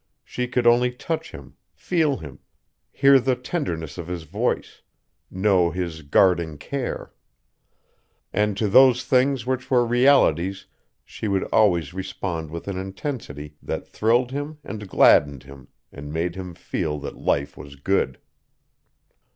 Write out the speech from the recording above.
She could only touch him, feel him, hear the tenderness of his voice, know his guarding care. And to those things which were realities she would always respond with an intensity that thrilled him and gladdened him and made him feel that life was good.